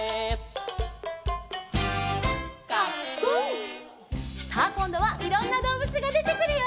「カックン」さあこんどはいろんなどうぶつがでてくるよ。